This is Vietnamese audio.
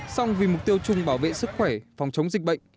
xong vì mục tiêu chung bảo vệ sức khỏe phòng chống dịch bệnh